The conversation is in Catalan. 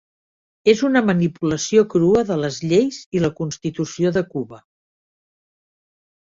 És una manipulació crua de les lleis i la Constitució de Cuba.